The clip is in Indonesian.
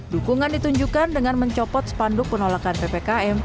dukungan ditunjukkan dengan mencopot spanduk penolakan ppkm